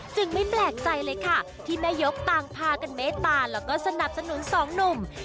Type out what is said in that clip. ไม่แปลกใจเลยค่ะที่แม่ยกต่างพากันเมตตาแล้วก็สนับสนุนสองหนุ่ม